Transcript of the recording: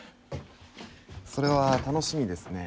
それは楽しみですね。